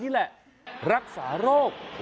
นี่แหละรักษาโรค